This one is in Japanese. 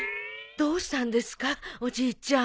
どうしたんですかおじいちゃん。